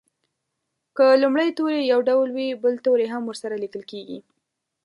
که لومړی توری یو ډول وي بل توری هم ورسره لیکل کیږي.